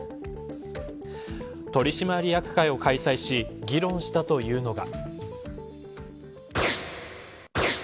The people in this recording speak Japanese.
取締役会を開催し議論したというのが。